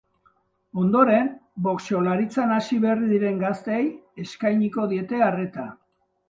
Ondoren, boxeolaritzan hasi berri diren gazteei eskainiko diete arreta.